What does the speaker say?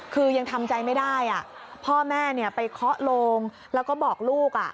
คือยังทำใจไม่ได้พ่อแม่ไปเคาะโลงแล้วก็บอกลูก